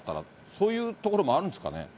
そういうところもあるんですかね。